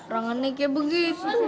rangannya kayak begitu